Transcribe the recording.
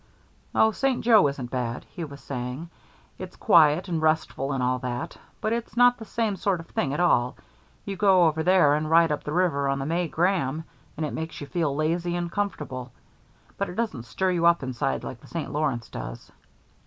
"Oh, St. Joe isn't bad," he was saying; "it's quiet and restful and all that, but it's not the same sort of thing at all. You go over there and ride up the river on the May Graham, and it makes you feel lazy and comfortable, but it doesn't stir you up inside like the St. Lawrence does."